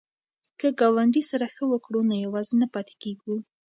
که ګاونډي سره ښه وکړو نو یوازې نه پاتې کیږو.